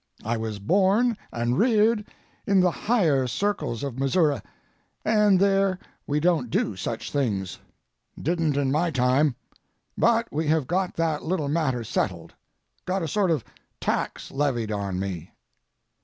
I was born and reared in the higher circles of Missouri, and there we don't do such things—didn't in my time, but we have got that little matter settled—got a sort of tax levied on me.